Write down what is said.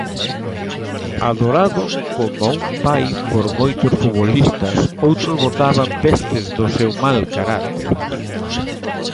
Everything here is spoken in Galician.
Adorado coma un pai por moitos futbolistas, outros botaban pestes do seu mal carácter.